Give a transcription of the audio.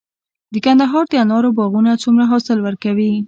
د کندهار د انارو باغونه څومره حاصل ورکوي؟